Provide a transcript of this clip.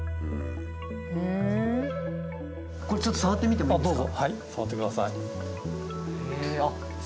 これちょっと触ってみてもいいですか？